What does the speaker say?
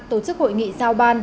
tổ chức hội nghị sao ban